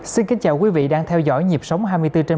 xin kính chào quý vị đang theo dõi nhịp sống hai mươi bốn trên bảy